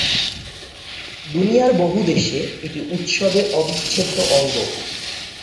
দুনিয়ার বহু দেশে এটি উৎসবের অবিচ্ছেদ্য অঙ্গ।